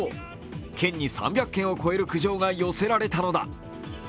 県に３００件を超える苦情が寄せられたのだ。